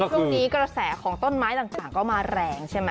ช่วงนี้กระแสของต้นไม้ต่างก็มาแรงใช่ไหม